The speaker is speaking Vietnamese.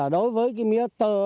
đối với mía tơ